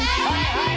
はい。